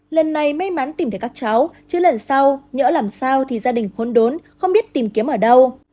lần này may mắn tìm thấy các cháu chứ lần sau nhỡ làm sao thì gia đình khốn đốn không biết tìm kiếm ở đâu